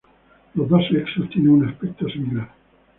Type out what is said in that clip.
Los dos sexos tienen un aspecto similar.